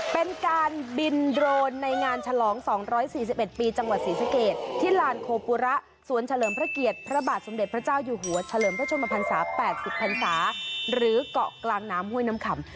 เป็นการบินโดรนในงานฉลองสองร้อยสี่สิบเอ็ดปีจังหวัดศรีสะเกดที่ลานโคปุระสวนเฉลิมพระเกียรติพระบาทสมเด็จพระเจ้าอยู่หัวเฉลิมพระชมภัณฑ์ศาสตร์แปดสิบภัณฑ์ศาสตร์หรือเกาะกลางน้ำห้วยน้ำขำ